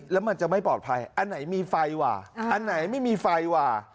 แล้วมันจะไม่ปลอดภัยอันไหนมีไฟว่าอันไหนไม่มีไฟว่า